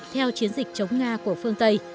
theo chiến dịch chống nga của phương tây